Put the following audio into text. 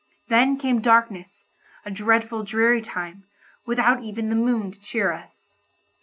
Then came darkness, a dreadful dreary time, without even the moon to cheer us.